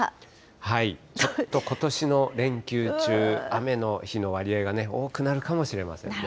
ちょっとことしの連休中、雨の日の割合が多くなるかもしれませんね。